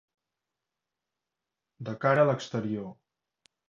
De cara a l'exterior.